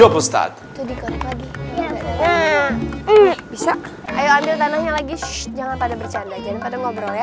bisa lagi jangan pada bercanda